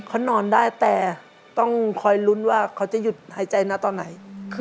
เขานอนได้แต่ต้องคอยลุ้นว่าเขาจะหยุดหายใจนะตอนไหน